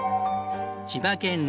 千葉県